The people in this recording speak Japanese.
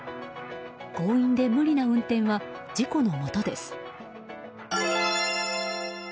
強引で無理な運転は事故のもとです。